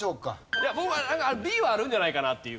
僕はＢはあるんじゃないかなっていう。